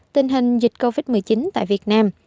tình hình dịch covid một mươi chín tại việt nam